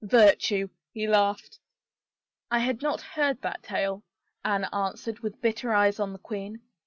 Virtue !" He laughed. " I had not heard that tale," Anne answered with bitter eyes on the queen.